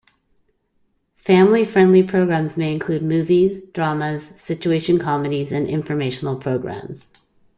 Family friendly programs may include movies, dramas, situation comedies and informational programs.